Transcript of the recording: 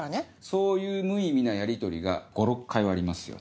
そういう無意味なやりとりが５６回はありますよ。